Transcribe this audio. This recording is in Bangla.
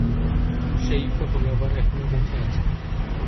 সেই ফটোগ্রাফ এখনও বেঁচে আছে।